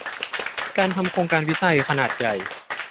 การทำโครงการวิจัยขนาดใหญ่